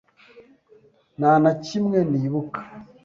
Nta na kimwe nibuka.